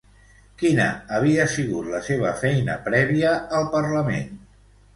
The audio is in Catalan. Quina havia sigut la seva feina prèvia al Parlament?